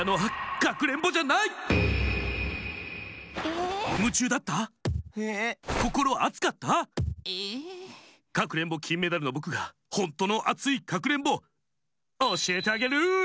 「かくれんぼきんメダル」のぼくがほんとのアツイかくれんぼおしえてあげる！